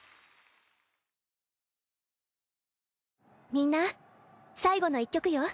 みんな最後の１曲よ。